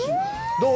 どう？